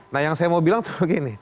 nah yang saya mau bilang tuh begini